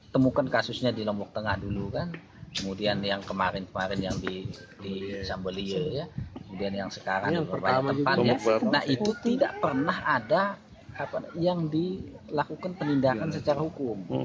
pernah ada yang dilakukan penindakan secara hukum